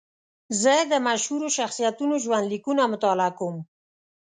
زه د مشهورو شخصیتونو ژوند لیکونه مطالعه کوم.